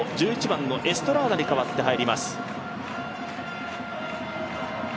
１１番のエストラーダに代わって入ります。